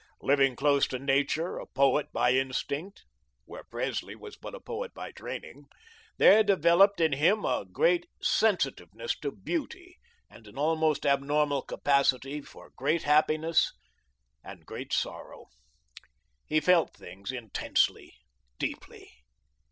Living close to nature, a poet by instinct, where Presley was but a poet by training, there developed in him a great sensitiveness to beauty and an almost abnormal capacity for great happiness and great sorrow; he felt things intensely, deeply.